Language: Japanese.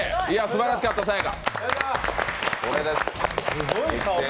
すばらしかったさや香。